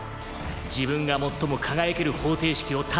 自分が最も輝ける方程式を体現しろ。